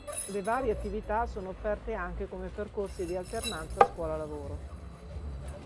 Le varie attività sono offerte anche come percorsi di alternanza scuola-lavoro.